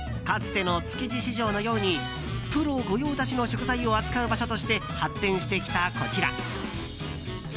かつての築地市場のようにプロ御用達の食材を扱う場所として発展してきたこちら。